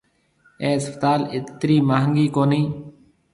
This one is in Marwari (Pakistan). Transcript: اَي اسپتال اَترِي مھانگِي ڪوني